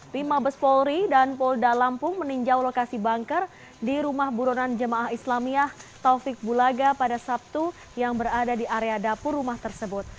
bima bespolri dan polda lampung meninjau lokasi bangker di rumah buronan jemaah islamiyah taufik bulaga pada sabtu yang berada di area dapur rumah tersebut